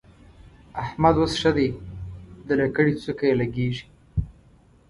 احمد اوس ښه دی؛ د لکړې څوکه يې لګېږي.